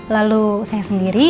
lalu saya sendiri